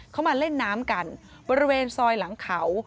เขามาเล่นน้ำกันบริเวณซอยหลังเขา